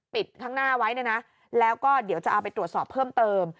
ข้างหน้าไว้เนี่ยนะแล้วก็เดี๋ยวจะเอาไปตรวจสอบเพิ่มเติม